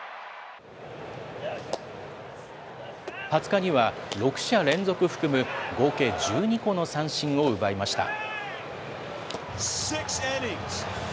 ２０日には、６者連続含む、合計１２個の三振を奪いました。